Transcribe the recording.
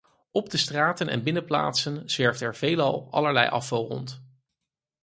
Op de straten en binnenplaatsen zwerft er veelal allerlei afval rond.